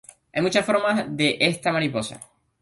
Hay muchas formas de esta mariposa.